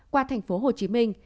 qua thành phố hồ chí minh